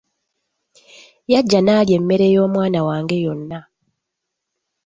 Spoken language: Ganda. Yajja n’alya emmere y'omwana wange yonna.